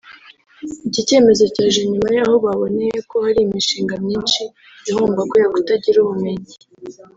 Iki cyemezo cyaje nyuma y’aho baboneye ko hari imishinga myinshi ihomba kubera kutagira ubumenyi